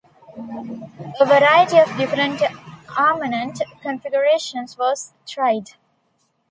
A variety of different armament configurations was tried.